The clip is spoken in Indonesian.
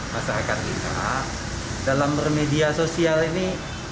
masa akan kita dalam bermedia sosial ini